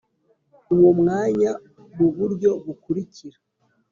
uwo mwanya muburyo bukurikira